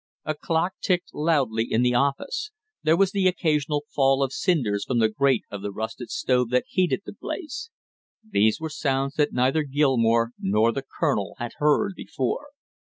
A clock ticked loudly in the office; there was the occasional fall of cinders from the grate of the rusted stove that heated the place; these were sounds that neither Gilmore nor the colonel had heard before.